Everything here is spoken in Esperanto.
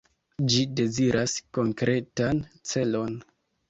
Ĝi deziras konkretan celon.